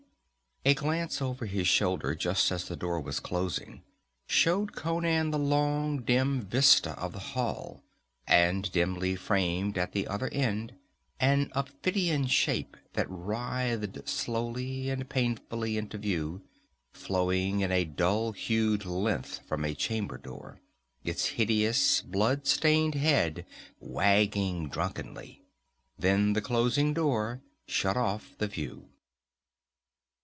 A glance over his shoulder just as the door was closing showed Conan the long dim vista of the hall, and dimly framed at the other end an ophidian shape that writhed slowly and painfully into view, flowing in a dull hued length from a chamber door, its hideous blood stained head wagging drunkenly. Then the closing door shut off the view.